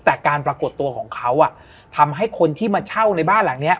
แต่การปรากฏตัวของเขาทำให้คนที่มาเช่าในบ้านหลังนี้